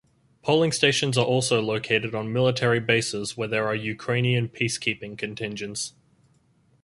Polling stations are also located on military bases where there are Ukrainian peacekeeping contingents.